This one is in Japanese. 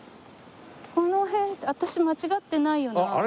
この辺私間違ってないよな？